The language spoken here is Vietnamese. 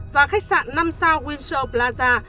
và khách sạn năm sao windsor plaza